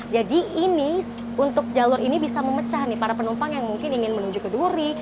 jadi ini untuk jalur ini bisa memecah nih para penumpang yang mungkin ingin menuju ke duri